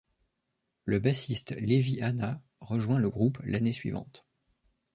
Le bassiste Levi Hanna rejoint le groupe l'année suivante.